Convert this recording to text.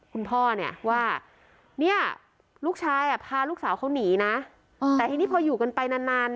คุณพ่อเนี่ยว่าเนี่ยลูกชายอ่ะพาลูกสาวเขาหนีนะแต่ทีนี้พออยู่กันไปนานนาน